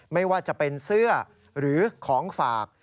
ไม่ว่าจะเป็นเสื้อหรือของฝาก